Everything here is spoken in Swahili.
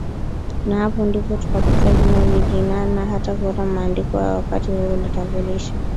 Na hapo ndipo tukapata jina Ujiji NaNa hata kwenye maandiko ya wakati huo ulitambulisha